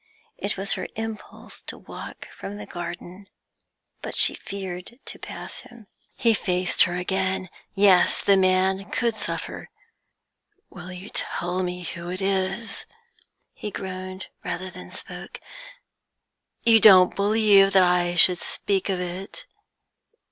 It was her impulse to walk from the garden, but she feared to pass him. He faced her again. Yes, the man could suffer. 'Will you tell me who it is?' he groaned rather than spoke. 'You don't believe that I should speak of it?